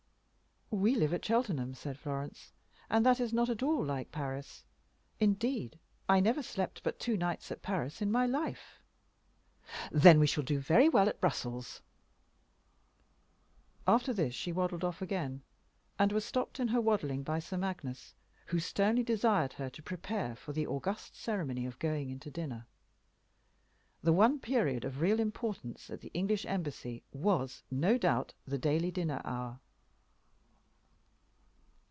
"We live at Cheltenham," said Florence, "and that is not at all like Paris. Indeed, I never slept but two nights at Paris in my life." "Then we shall do very well at Brussels." After this she waddled off again, and was stopped in her waddling by Sir Magnus, who sternly desired her to prepare for the august ceremony of going in to dinner. The one period of real importance at the English Embassy was, no doubt, the daily dinner hour.